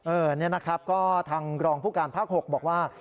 เนี่ยนะครับก็ทางรองผู้การภาค๖บอกว่า